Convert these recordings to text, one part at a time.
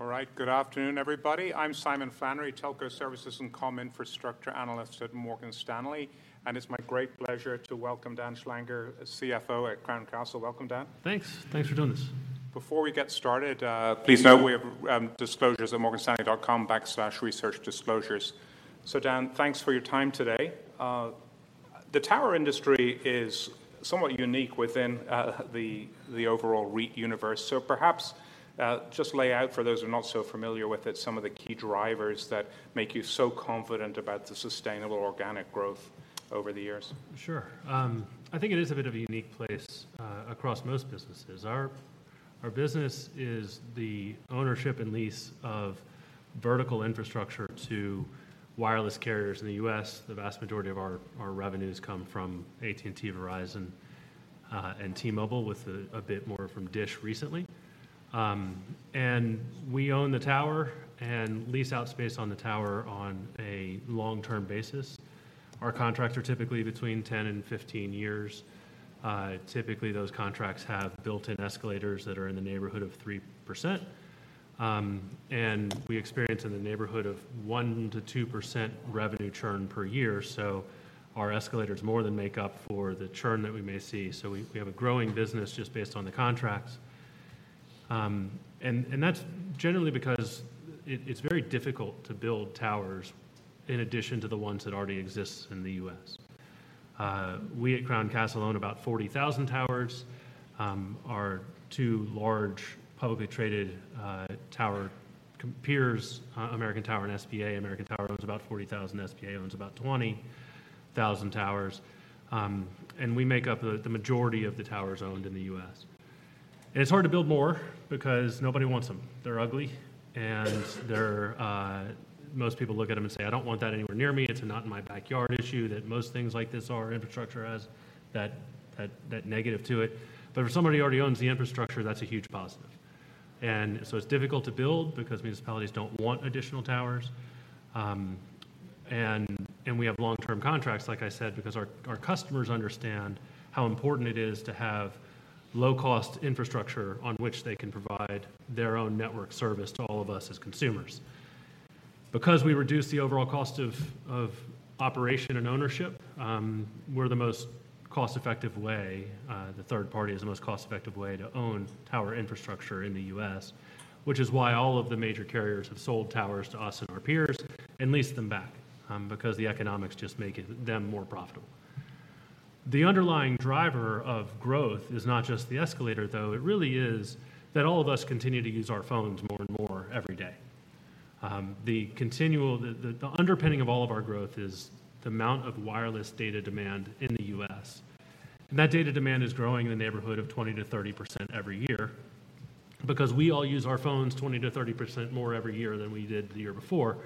All right. Good afternoon, everybody. I'm Simon Flannery, Telco Services and Comm Infrastructure Analyst at Morgan Stanley, and it's my great pleasure to welcome Dan Schlanger, CFO at Crown Castle. Welcome, Dan. Thanks. Thanks for doing this. Before we get started, Please do. We have disclosures at morganstanley.com/researchdisclosures. So Dan, thanks for your time today. The tower industry is somewhat unique within the overall REIT universe. So perhaps just lay out for those who are not so familiar with it, some of the key drivers that make you so confident about the sustainable organic growth over the years. Sure. I think it is a bit of a unique place across most businesses. Our business is the ownership and lease of vertical infrastructure to wireless carriers in the U.S. The vast majority of our revenues come from AT&T, Verizon, and T-Mobile, with a bit more from DISH recently. And we own the tower and lease out space on the tower on a long-term basis. Our contracts are typically between 10 and 15 years. Typically, those contracts have built-in escalators that are in the neighborhood of 3%. And we experience in the neighborhood of 1%-2% revenue churn per year, so our escalators more than make up for the churn that we may see. So we have a growing business just based on the contracts. That's generally because it's very difficult to build towers in addition to the ones that already exist in the U.S. We at Crown Castle own about 40,000 towers. Our two large, publicly traded tower peers, American Tower and SBA. American Tower owns about 40,000, SBA owns about 20,000 towers. And we make up the majority of the towers owned in the U.S. It's hard to build more because nobody wants them. They're ugly, and they're... Most people look at them and say, "I don't want that anywhere near me." It's a not in my backyard issue, that most things like this are infrastructure has that negative to it. But for somebody who already owns the infrastructure, that's a huge positive. So it's difficult to build because municipalities don't want additional towers. And we have long-term contracts, like I said, because our customers understand how important it is to have low-cost infrastructure on which they can provide their own network service to all of us as consumers. Because we reduce the overall cost of operation and ownership, we're the most cost-effective way, the third party is the most cost-effective way to own tower infrastructure in the U.S., which is why all of the major carriers have sold towers to us and our peers and leased them back, because the economics just make them more profitable. The underlying driver of growth is not just the escalator, though. It really is that all of us continue to use our phones more and more every day. The continual underpinning of all of our growth is the amount of wireless data demand in the U.S. And that data demand is growing in the neighborhood of 20%-30% every year because we all use our phones 20%-30% more every year than we did the year before.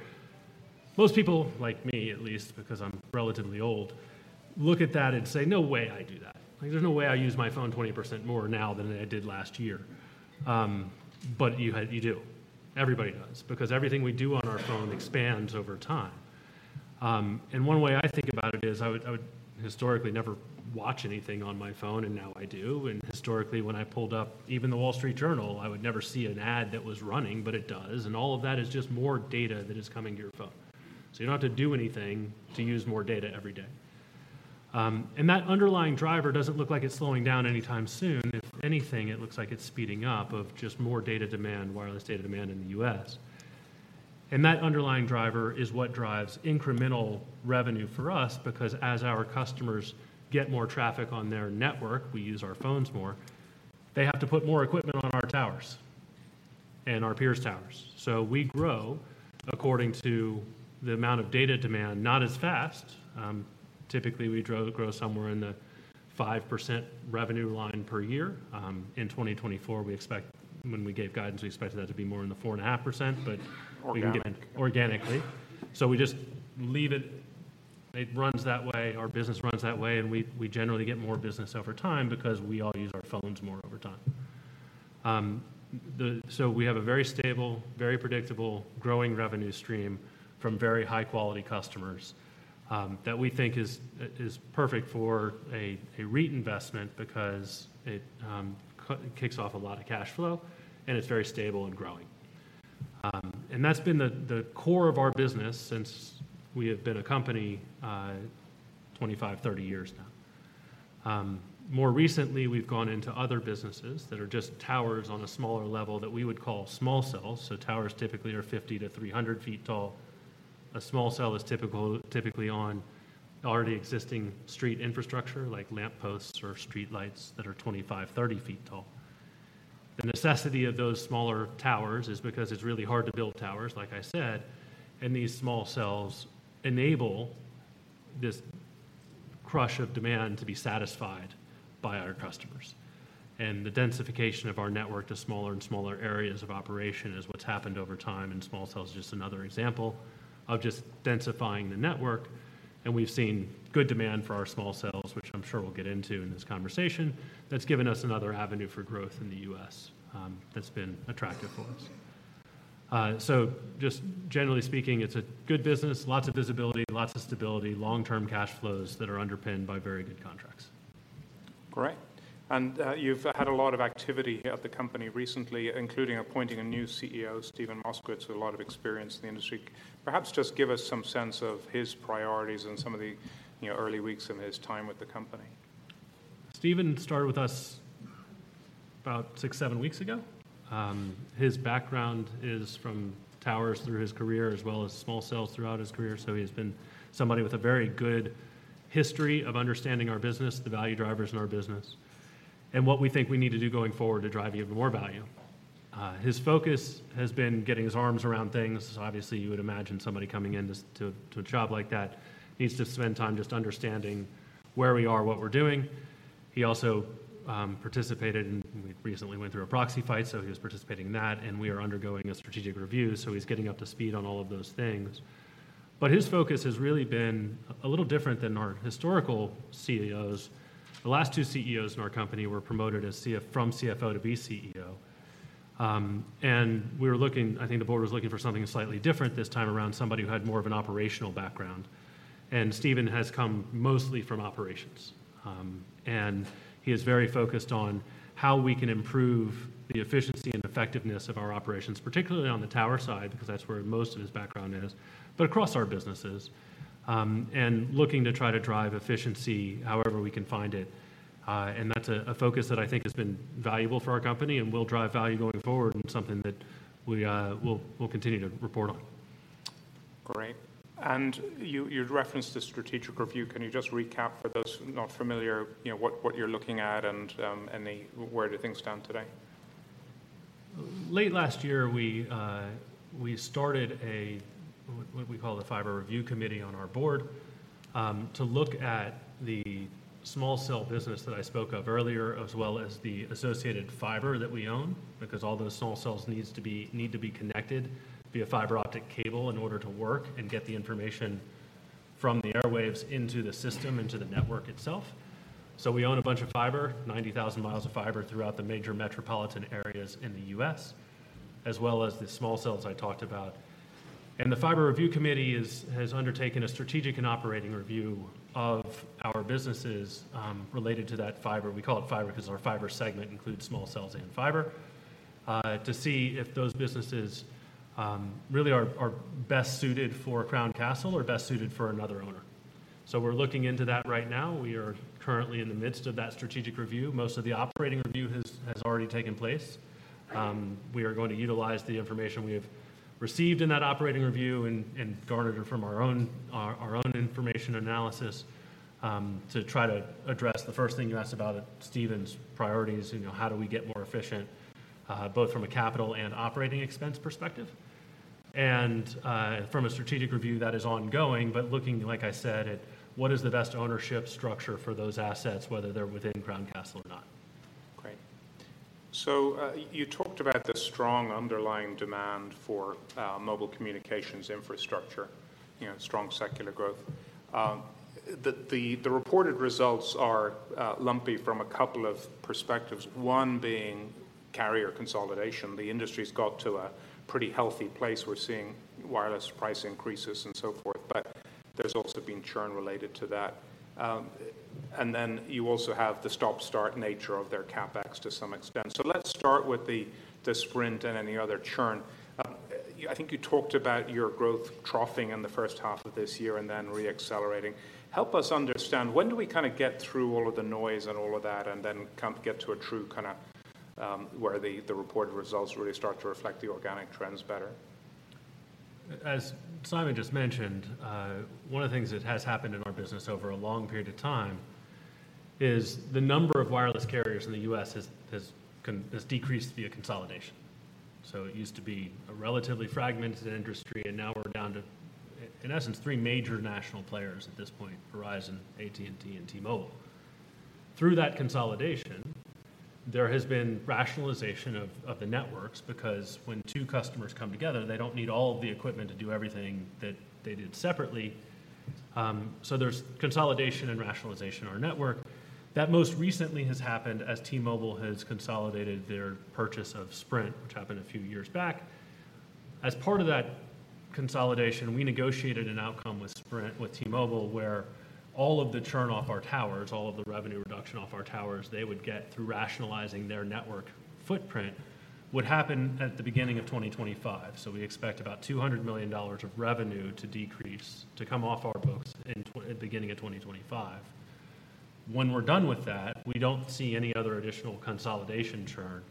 Most people, like me, at least, because I'm relatively old, look at that and say, "No way I do that. There's no way I use my phone 20% more now than I did last year." But you do. Everybody does, because everything we do on our phone expands over time. And one way I think about it is, I would, I would historically never watch anything on my phone, and now I do. Historically, when I pulled up even The Wall Street Journal, I would never see an ad that was running, but it does. And all of that is just more data that is coming to your phone. So you don't have to do anything to use more data every day. And that underlying driver doesn't look like it's slowing down anytime soon. If anything, it looks like it's speeding up of just more data demand, wireless data demand in the U.S. And that underlying driver is what drives incremental revenue for us, because as our customers get more traffic on their network, we use our phones more, they have to put more equipment on our towers and our peers' towers. So we grow according to the amount of data demand, not as fast. Typically, we grow somewhere in the 5% revenue line per year. In 2024, we expect... When we gave guidance, we expected that to be more in the 4.5%, but- Organically. Organically. So we just leave it. It runs that way. Our business runs that way, and we, we generally get more business over time because we all use our phones more over time. So we have a very stable, very predictable, growing revenue stream from very high-quality customers, that we think is, is perfect for a, a REIT investment because it, kicks off a lot of cash flow, and it's very stable and growing. And that's been the, the core of our business since we have been a company, 25, 30 years now. More recently, we've gone into other businesses that are just towers on a smaller level that we would call small cells. So towers typically are 50-300 feet tall. A small cell is typically on already existing street infrastructure, like lamp posts or streetlights that are 25-30 feet tall. The necessity of those smaller towers is because it's really hard to build towers, like I said, and these small cells enable this crush of demand to be satisfied by our customers. The densification of our network to smaller and smaller areas of operation is what's happened over time, and small cell is just another example of just densifying the network. We've seen good demand for our small cells, which I'm sure we'll get into in this conversation. That's given us another avenue for growth in the U.S., that's been attractive for us. So just generally speaking, it's a good business, lots of visibility, lots of stability, long-term cash flows that are underpinned by very good contracts.... Great. And, you've had a lot of activity at the company recently, including appointing a new CEO, Steven Moskowitz, with a lot of experience in the industry. Perhaps just give us some sense of his priorities in some of the, you know, early weeks of his time with the company. Steven started with us about 6, 7 weeks ago. His background is from towers through his career, as well as small cells throughout his career, so he has been somebody with a very good history of understanding our business, the value drivers in our business, and what we think we need to do going forward to drive even more value. His focus has been getting his arms around things. Obviously, you would imagine somebody coming in to a job like that needs to spend time just understanding where we are, what we're doing. He also participated in. We recently went through a proxy fight, so he was participating in that, and we are undergoing a strategic review, so he's getting up to speed on all of those things. But his focus has really been a little different than our historical CEOs. The last two CEOs in our company were promoted from CFO to CEO. And we were looking, I think the board was looking for something slightly different this time around, somebody who had more of an operational background, and Steven has come mostly from operations. And he is very focused on how we can improve the efficiency and effectiveness of our operations, particularly on the tower side, because that's where most of his background is, but across our businesses. And looking to try to drive efficiency however we can find it. And that's a focus that I think has been valuable for our company and will drive value going forward and something that we will continue to report on. Great. And you referenced the strategic review. Can you just recap for those not familiar, you know, what you're looking at and, and the, where do things stand today? Late last year, we started what we call the Fiber Review Committee on our board to look at the small cell business that I spoke of earlier, as well as the associated fiber that we own, because all those small cells need to be connected via fiber optic cable in order to work and get the information from the airwaves into the system, into the network itself. So we own a bunch of fiber, 90,000 miles of fiber, throughout the major metropolitan areas in the U.S., as well as the small cells I talked about. And the Fiber Review Committee has undertaken a strategic and operating review of our businesses related to that fiber. We call it fiber because our fiber segment includes small cells and fiber to see if those businesses really are best suited for Crown Castle or best suited for another owner. So we're looking into that right now. We are currently in the midst of that strategic review. Most of the operating review has already taken place. We are going to utilize the information we have received in that operating review and garnered it from our own information analysis to try to address the first thing you asked about, Steven's priorities. You know, how do we get more efficient both from a capital and operating expense perspective? And from a strategic review, that is ongoing, but looking, like I said, at what is the best ownership structure for those assets, whether they're within Crown Castle or not. Great. So you talked about the strong underlying demand for mobile communications infrastructure, you know, strong secular growth. The reported results are lumpy from a couple of perspectives, one being carrier consolidation. The industry's got to a pretty healthy place. We're seeing wireless price increases and so forth, but there's also been churn related to that. And then you also have the stop-start nature of their CapEx to some extent. So let's start with the Sprint and any other churn. You, I think you talked about your growth troughing in the first half of this year and then re-accelerating. Help us understand, when do we kind of get through all of the noise and all of that, and then come get to a true kind of where the reported results really start to reflect the organic trends better? As Simon just mentioned, one of the things that has happened in our business over a long period of time is the number of wireless carriers in the U.S. has decreased via consolidation. So it used to be a relatively fragmented industry, and now we're down to, in essence, three major national players at this point: Verizon, AT&T, and T-Mobile. Through that consolidation, there has been rationalization of the networks, because when two customers come together, they don't need all of the equipment to do everything that they did separately. So there's consolidation and rationalization in our network. That most recently has happened as T-Mobile has consolidated their purchase of Sprint, which happened a few years back. As part of that consolidation, we negotiated an outcome with Sprint, with T-Mobile, where all of the churn off our towers, all of the revenue reduction off our towers they would get through rationalizing their network footprint, would happen at the beginning of 2025. So we expect about $200 million of revenue to decrease, to come off our books at the beginning of 2025. When we're done with that, we don't see any other additional consolidation churn,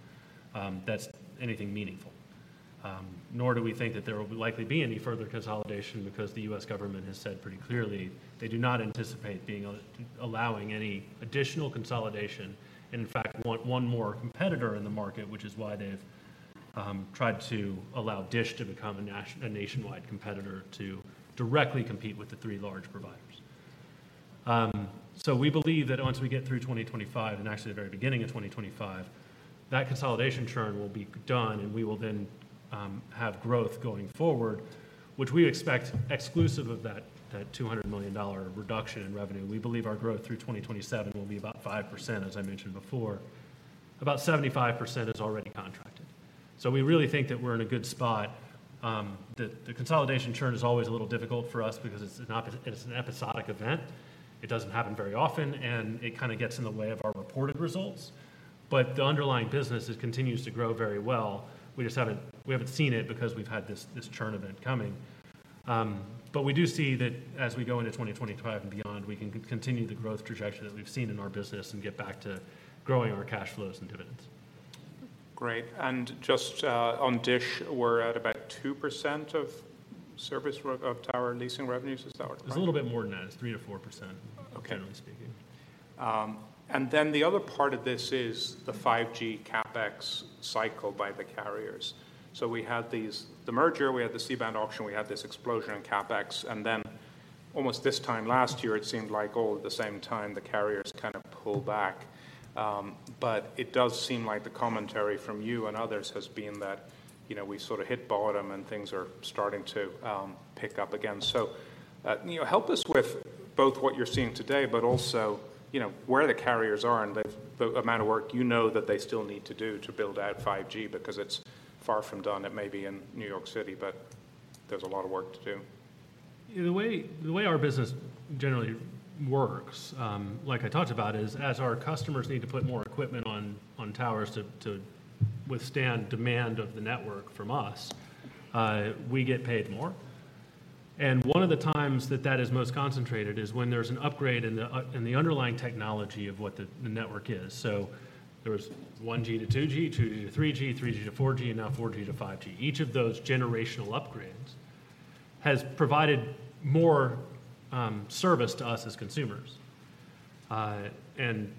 that's anything meaningful. Nor do we think that there will likely be any further consolidation because the U.S. government has said pretty clearly they do not anticipate allowing any additional consolidation, and in fact, want one more competitor in the market, which is why they've tried to allow DISH to become a nationwide competitor to directly compete with the three large providers. So we believe that once we get through 2025, and actually the very beginning of 2025, that consolidation churn will be done, and we will then have growth going forward, which we expect exclusive of that $200 million reduction in revenue. We believe our growth through 2027 will be about 5%, as I mentioned before. About 75% is already contracted. So we really think that we're in a good spot. The consolidation churn is always a little difficult for us because it's an episodic event. It doesn't happen very often, and it kind of gets in the way of our reported results. But the underlying business, it continues to grow very well. We just haven't seen it because we've had this churn event coming. But we do see that as we go into 2025 and beyond, we can continue the growth trajectory that we've seen in our business and get back to growing our cash flows and dividends. Great. And just, on DISH, we're at about 2% of service revenue of tower leasing revenues. Is that what? It's a little bit more than that. It's 3%-4%- Okay. -generally speaking. And then the other part of this is the 5G CapEx cycle by the carriers. So we had these, the merger, we had the C-band auction, we had this explosion in CapEx, and then almost this time last year, it seemed like all at the same time, the carriers kind of pulled back. But it does seem like the commentary from you and others has been that, you know, we sort of hit bottom and things are starting to pick up again. So, you know, help us with both what you're seeing today, but also, you know, where the carriers are and the amount of work you know that they still need to do to build out 5G, because it's far from done. It may be in New York City, but there's a lot of work to do. The way our business generally works, like I talked about, is as our customers need to put more equipment on towers to withstand demand of the network from us, we get paid more. One of the times that is most concentrated is when there's an upgrade in the underlying technology of what the network is. There was 1G to 2G, 2G to 3G, 3G to 4G, and now 4G to 5G. Each of those generational upgrades has provided more service to us as consumers, and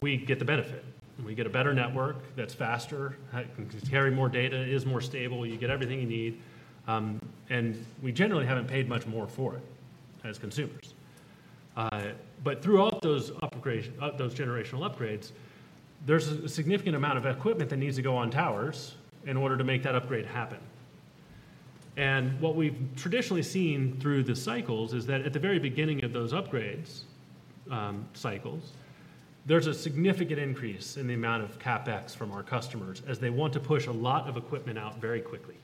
we get the benefit. We get a better network that's faster, can carry more data, is more stable, you get everything you need, and we generally haven't paid much more for it as consumers. But throughout those upgrades, those generational upgrades, there's a significant amount of equipment that needs to go on towers in order to make that upgrade happen. And what we've traditionally seen through the cycles is that at the very beginning of those upgrades, cycles, there's a significant increase in the amount of CapEx from our customers, as they want to push a lot of equipment out very quickly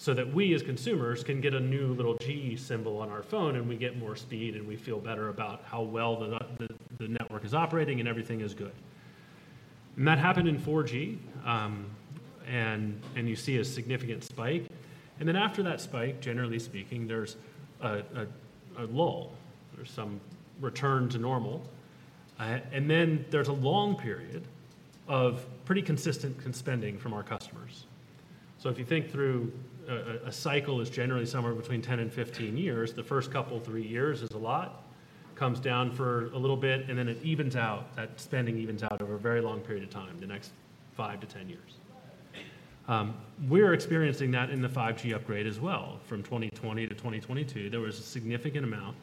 so that we, as consumers, can get a new little G symbol on our phone, and we get more speed, and we feel better about how well the the network is operating, and everything is good. And that happened in 4G, and you see a significant spike, and then after that spike, generally speaking, there's a lull or some return to normal. And then there's a long period of pretty consistent spending from our customers. So if you think through a cycle is generally somewhere between 10 and 15 years, the first couple, three years is a lot, comes down for a little bit, and then it evens out. That spending evens out over a very long period of time, the next 5 to 10 years. We're experiencing that in the 5G upgrade as well. From 2020 to 2022, there was a significant amount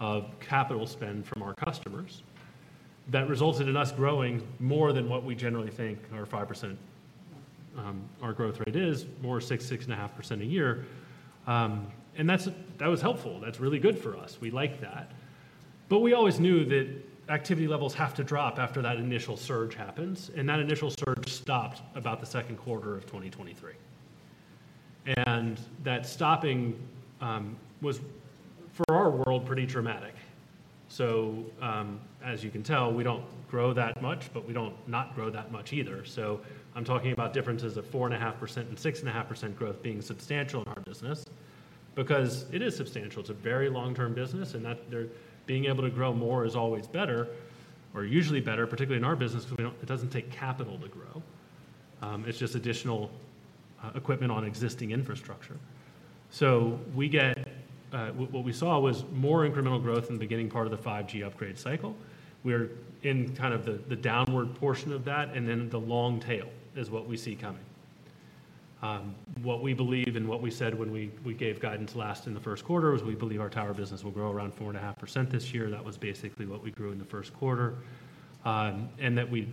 of capital spend from our customers that resulted in us growing more than what we generally think, our 5%, our growth rate is, more 6, 6.5% a year. And that's, that was helpful. That's really good for us. We like that. But we always knew that activity levels have to drop after that initial surge happens, and that initial surge stopped about the second quarter of 2023. And that stopping was, for our world, pretty dramatic. So, as you can tell, we don't grow that much, but we don't not grow that much either. So I'm talking about differences of 4.5% and 6.5% growth being substantial in our business because it is substantial. It's a very long-term business, and being able to grow more is always better or usually better, particularly in our business, because we don't- it doesn't take capital to grow. It's just additional equipment on existing infrastructure. So, what we saw was more incremental growth in the beginning part of the 5G upgrade cycle. We're in kind of the downward portion of that, and then the long tail is what we see coming. What we believe and what we said when we gave guidance last in the first quarter was we believe our tower business will grow around 4.5% this year. That was basically what we grew in the first quarter. And that we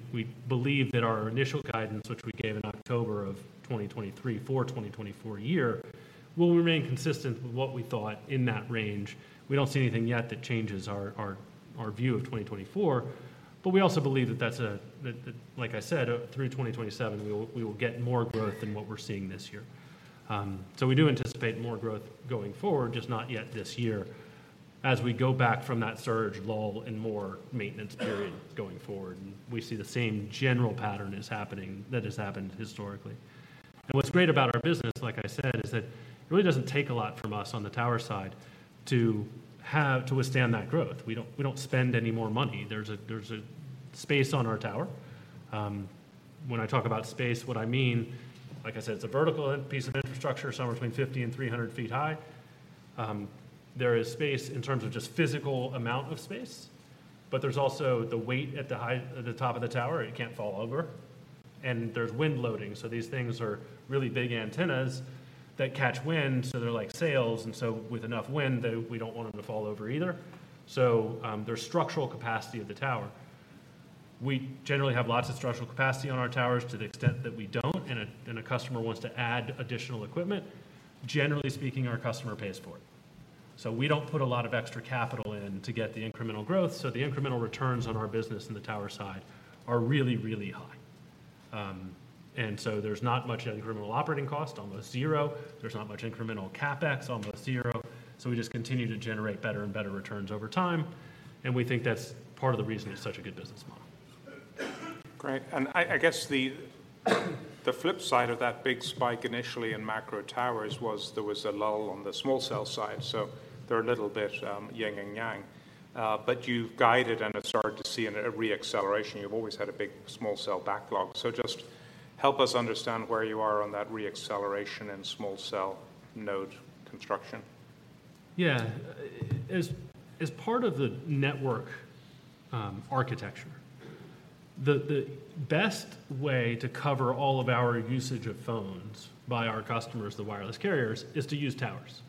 believe that our initial guidance, which we gave in October of 2023 for 2024 year, will remain consistent with what we thought in that range. We don't see anything yet that changes our view of 2024, but we also believe that that's a, like I said, through 2027, we will get more growth than what we're seeing this year. So we do anticipate more growth going forward, just not yet this year, as we go back from that surge lull and more maintenance period going forward, and we see the same general pattern is happening that has happened historically. And what's great about our business, like I said, is that it really doesn't take a lot from us on the tower side to have, to withstand that growth. We don't, we don't spend any more money. There's a space on our tower. When I talk about space, what I mean, like I said, it's a vertical piece of infrastructure, somewhere between 50 and 300 feet high. There is space in terms of just physical amount of space, but there's also the weight at the height, at the top of the tower. It can't fall over, and there's wind loading. So these things are really big antennas that catch wind, so they're like sails, and so with enough wind, they, we don't want them to fall over either. So, there's structural capacity of the tower. We generally have lots of structural capacity on our towers to the extent that we don't, and a customer wants to add additional equipment; generally speaking, our customer pays for it. So we don't put a lot of extra capital in to get the incremental growth, so the incremental returns on our business in the tower side are really, really high. And so there's not much incremental operating cost, almost zero. There's not much incremental CapEx, almost zero. So we just continue to generate better and better returns over time, and we think that's part of the reason it's such a good business model. Great. And I guess the flip side of that big spike initially in macro towers was there was a lull on the small cell side, so they're a little bit yin and yang. But you've guided, and it's hard to see in a re-acceleration. You've always had a big small cell backlog. So just help us understand where you are on that re-acceleration in small cell node construction. Yeah. As part of the network architecture, the best way to cover all of our usage of phones by our customers, the wireless carriers, is to use towers.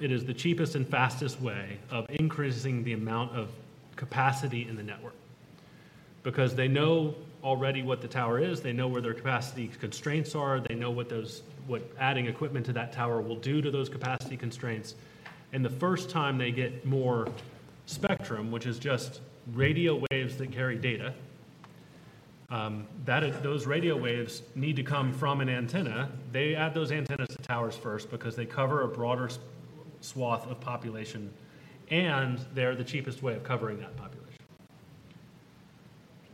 It is the cheapest and fastest way of increasing the amount of capacity in the network, because they know already what the tower is. They know where their capacity constraints are. They know what adding equipment to that tower will do to those capacity constraints. And the first time they get more spectrum, which is just radio waves that carry data, Those radio waves need to come from an antenna. They add those antennas to towers first because they cover a broader swath of population, and they're the cheapest way of covering that population.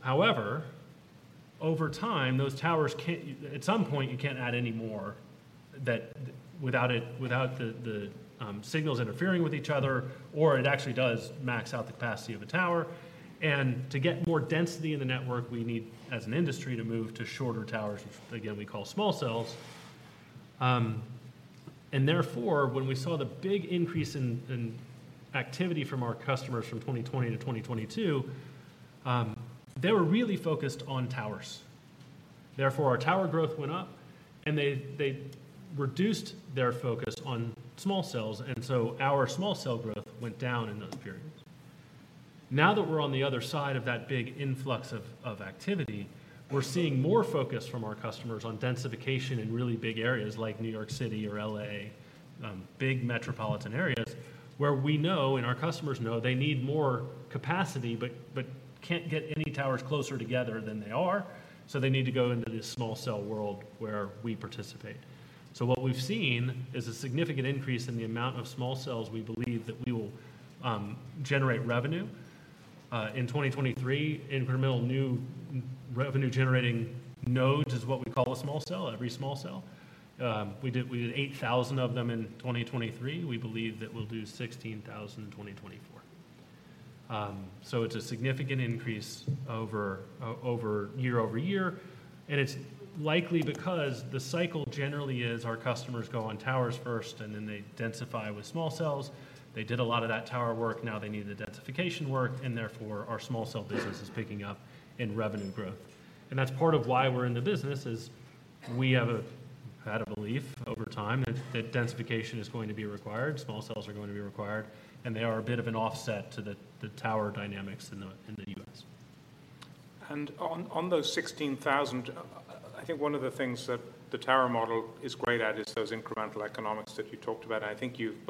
However, over time, those towers can't, at some point, you can't add any more without the signals interfering with each other, or it actually does max out the capacity of a tower. To get more density in the network, we need, as an industry, to move to shorter towers, which again, we call small cells. Therefore, when we saw the big increase in activity from our customers from 2020 to 2022, they were really focused on towers. Therefore, our tower growth went up, and they reduced their focus on small cells, and so our small cell growth went down in those periods. Now that we're on the other side of that big influx of activity, we're seeing more focus from our customers on densification in really big areas like New York City or L.A., big metropolitan areas, where we know and our customers know they need more capacity, but can't get any towers closer together than they are, so they need to go into the small cell world where we participate. So what we've seen is a significant increase in the amount of small cells we believe that we will generate revenue. In 2023, incremental new revenue-generating nodes is what we call a small cell, every small cell. We did 8,000 of them in 2023. We believe that we'll do 16,000 in 2024. So it's a significant increase over, over, year-over-year, and it's likely because the cycle generally is our customers go on towers first, and then they densify with small cells. They did a lot of that tower work, now they need the densification work, and therefore, our small cell business is picking up in revenue growth. And that's part of why we're in the business, is we have a, had a belief over time that, that densification is going to be required, small cells are going to be required, and they are a bit of an offset to the, the tower dynamics in the, in the U.S. On those 16,000, I think one of the things that the tower model is great at is those incremental economics that you talked about. I think you've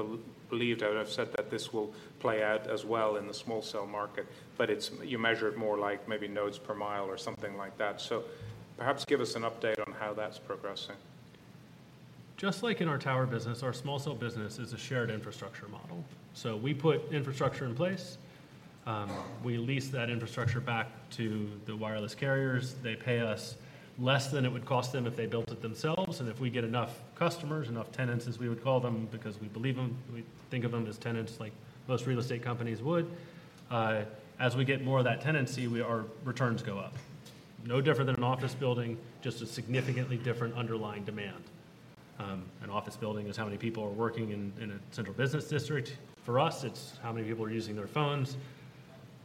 believed and have said that this will play out as well in the small cell market, but you measure it more like maybe nodes per mile or something like that. So perhaps give us an update on how that's progressing. Just like in our tower business, our small cell business is a shared infrastructure model. So we put infrastructure in place, we lease that infrastructure back to the wireless carriers. They pay us less than it would cost them if they built it themselves, and if we get enough customers, enough tenants, as we would call them, because we believe them, we think of them as tenants like most real estate companies would. As we get more of that tenancy, our returns go up. No different than an office building, just a significantly different underlying demand. An office building is how many people are working in a central business district. For us, it's how many people are using their phones.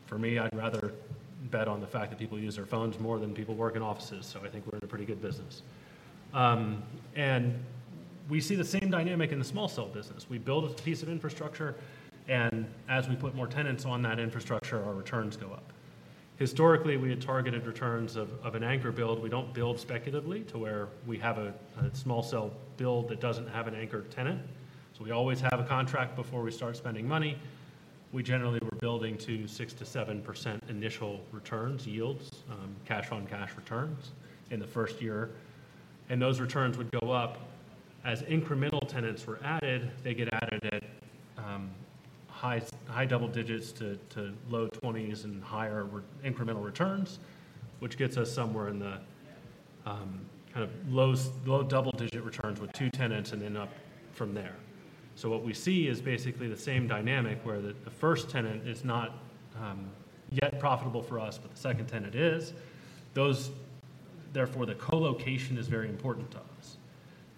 For me, I'd rather bet on the fact that people use their phones more than people work in offices, so I think we're in a pretty good business. We see the same dynamic in the small cell business. We build a piece of infrastructure, and as we put more tenants on that infrastructure, our returns go up. Historically, we had targeted returns of an anchor build. We don't build speculatively to where we have a small cell build that doesn't have an anchor tenant. So we always have a contract before we start spending money. We generally were building to 6%-7% initial returns, yields, cash on cash returns in the first year, and those returns would go up. As incremental tenants were added, they get added at high, high double digits to low twenties and higher incremental returns, which gets us somewhere in the kind of low, low double-digit returns with two tenants and then up from there. So what we see is basically the same dynamic, where the first tenant is not yet profitable for us, but the second tenant is. Therefore, the co-location is very important to us,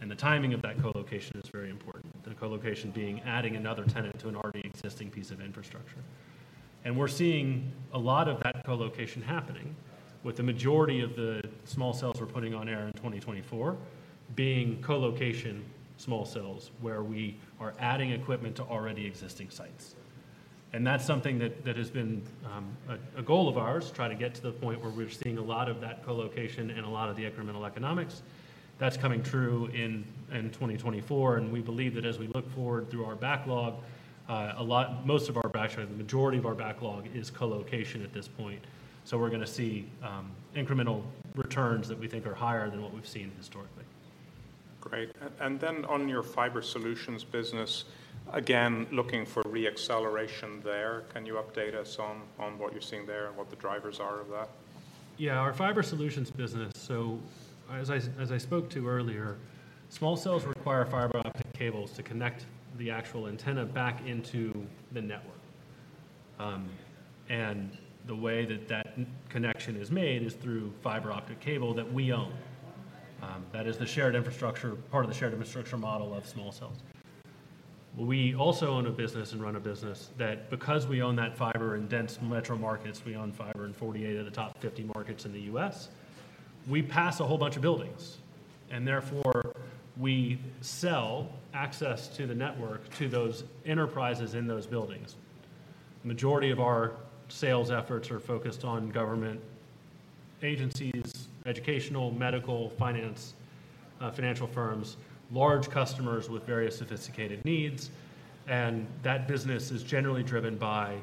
and the timing of that co-location is very important. The co-location being adding another tenant to an already existing piece of infrastructure. And we're seeing a lot of that co-location happening, with the majority of the small cells we're putting on air in 2024 being co-location small cells, where we are adding equipment to already existing sites. That's something that has been a goal of ours, try to get to the point where we're seeing a lot of that co-location and a lot of the incremental economics. That's coming true in 2024, and we believe that as we look forward through our backlog, a lot, most of our backlog, the majority of our backlog is co-location at this point. So we're gonna see incremental returns that we think are higher than what we've seen historically. Great. And then on your fiber solutions business, again, looking for re-acceleration there, can you update us on what you're seeing there and what the drivers are of that? Yeah, our fiber solutions business, so as I spoke to earlier, small cells require fiber optic cables to connect the actual antenna back into the network. And the way that that connection is made is through fiber optic cable that we own. That is the shared infrastructure, part of the shared infrastructure model of small cells. We also own a business and run a business that because we own that fiber in dense metro markets, we own fiber in 48 of the top 50 markets in the US. We pass a whole bunch of buildings, and therefore, we sell access to the network to those enterprises in those buildings. Majority of our sales efforts are focused on government agencies, educational, medical, finance, financial firms, large customers with various sophisticated needs, and that business is generally driven by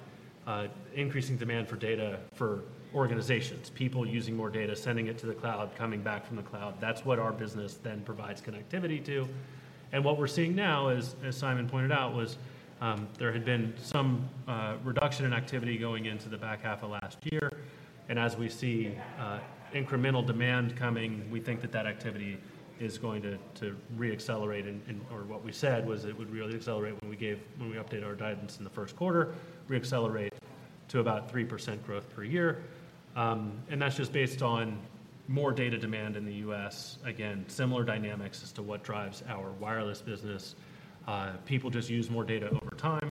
increasing demand for data for organizations. People using more data, sending it to the cloud, coming back from the cloud. That's what our business then provides connectivity to. And what we're seeing now as Simon pointed out, was there had been some reduction in activity going into the back half of last year. And as we see incremental demand coming, we think that that activity is going to re-accelerate. Or what we said was it would re-accelerate when we update our guidance in the first quarter, re-accelerate to about 3% growth per year. And that's just based on more data demand in the U.S. Again, similar dynamics as to what drives our wireless business. People just use more data over time,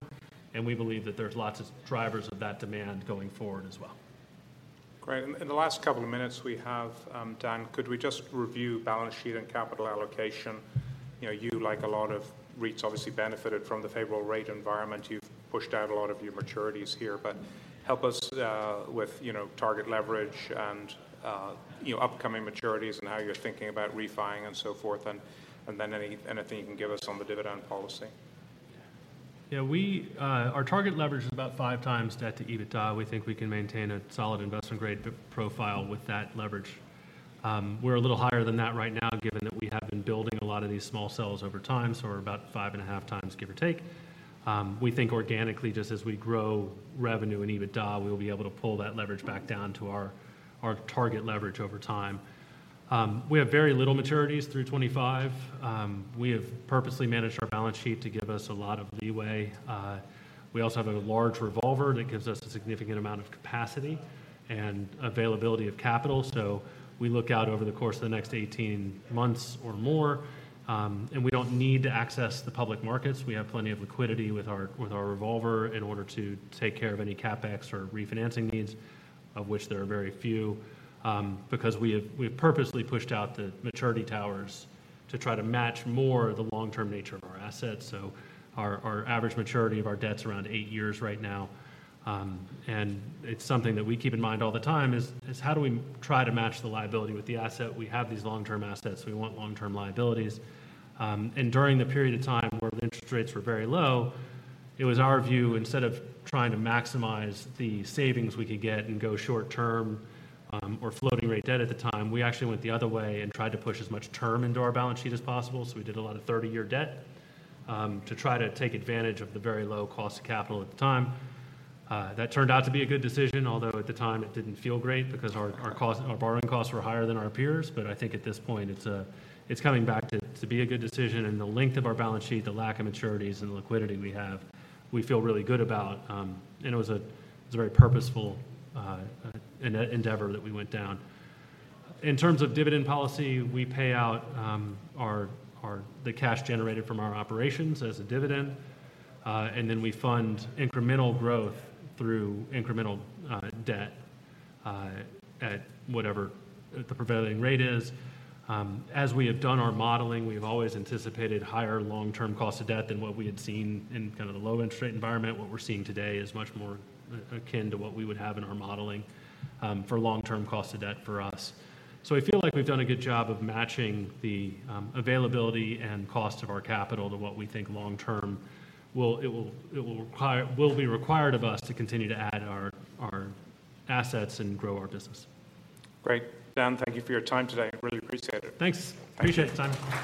and we believe that there's lots of drivers of that demand going forward as well. Great. In the last couple of minutes we have, Dan, could we just review balance sheet and capital allocation? You know, you like a lot of REITs, obviously benefited from the favorable rate environment. You've pushed out a lot of your maturities here, but help us, with, you know, target leverage and, you know, upcoming maturities and how you're thinking about refi-ing and so forth, and then anything you can give us on the dividend policy. Yeah, we. Our target leverage is about 5x debt to EBITDA. We think we can maintain a solid investment-grade profile with that leverage. We're a little higher than that right now, given that we have been building a lot of these small cells over time, so we're about 5.5x, give or take. We think organically, just as we grow revenue and EBITDA, we will be able to pull that leverage back down to our target leverage over time. We have very little maturities through 2025. We have purposely managed our balance sheet to give us a lot of leeway. We also have a large revolver, and it gives us a significant amount of capacity and availability of capital. So we look out over the course of the next 18 months or more, and we don't need to access the public markets. We have plenty of liquidity with our, with our revolver in order to take care of any CapEx or refinancing needs, of which there are very few, because we have, we have purposely pushed out the maturities to try to match more of the long-term nature of our assets. So our, our average maturity of our debt's around eight years right now. And it's something that we keep in mind all the time, is, is how do we try to match the liability with the asset? We have these long-term assets, we want long-term liabilities. And during the period of time where the interest rates were very low, it was our view, instead of trying to maximize the savings we could get and go short term, or floating rate debt at the time, we actually went the other way and tried to push as much term into our balance sheet as possible. So we did a lot of 30-year debt, to try to take advantage of the very low cost of capital at the time. That turned out to be a good decision, although at the time it didn't feel great because our cost, our borrowing costs were higher than our peers. But I think at this point, it's coming back to be a good decision and the length of our balance sheet, the lack of maturities and the liquidity we have, we feel really good about. And it was a very purposeful endeavor that we went down. In terms of dividend policy, we pay out the cash generated from our operations as a dividend, and then we fund incremental growth through incremental debt at whatever the prevailing rate is. As we have done our modeling, we've always anticipated higher long-term cost of debt than what we had seen in kind of the low interest rate environment. What we're seeing today is much more akin to what we would have in our modeling for long-term cost of debt for us. So I feel like we've done a good job of matching the availability and cost of our capital to what we think long term will be required of us to continue to add our, our assets and grow our business. Great. Dan, thank you for your time today. Really appreciate it. Thanks. Appreciate the time.